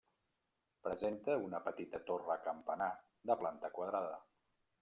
Presenta una petita torre campanar de planta quadrada.